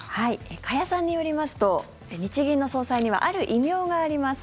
加谷さんによりますと日銀の総裁にはある異名があります。